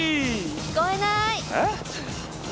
聞こえない。